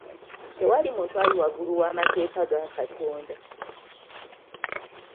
Tewali muntu ali waggulu w'amateeka ga Katonda.